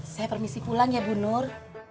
saya permisi pulang ya bu nur